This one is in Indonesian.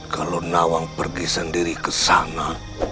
kalau nawang pergi sendiri ke sana